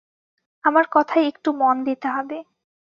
আমার কথায় একটু মন দিতে হবে।